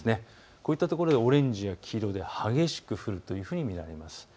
こういった所でオレンジや黄色で激しく降ると見られます。